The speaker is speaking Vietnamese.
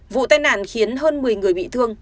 vụ tai nạn khiến hơn một mươi người bị thương